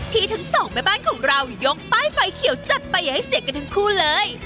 ทั้งสองแม่บ้านของเรายกป้ายไฟเขียวจัดไปอย่าให้เสียกันทั้งคู่เลย